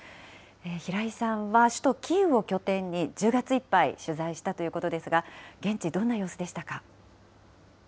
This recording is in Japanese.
平井さんは首都キーウを拠点に、１０月いっぱい取材したということですが、現地、どんな様子でしたか。